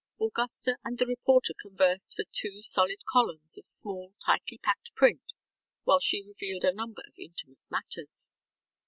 ŌĆØ Augusta and the reporter conversed for two solid columns of small, tightly packed print while she revealed a number of intimate matters.